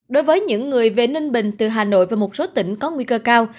đối với những người về ninh bình từ hà nội và một số tỉnh có nguy cơ cao